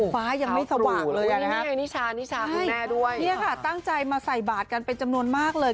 ฟ้ายังไม่สว่างเลยอ่ะนะฮะตั้งใจมาใส่บาทกันเป็นจำนวนมากเลย